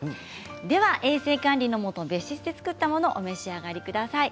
衛生管理のもと別室で作ったものお召し上がりください。